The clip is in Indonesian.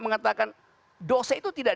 mengatakan dosa itu tidak